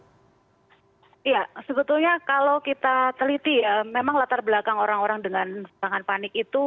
ya sebetulnya kalau kita teliti ya memang latar belakang orang orang dengan tangan panik itu